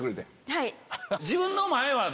はい。